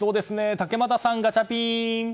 竹俣さん、ガチャピン！